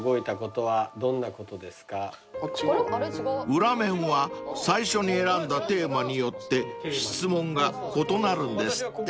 ［裏面は最初に選んだテーマによって質問が異なるんですって］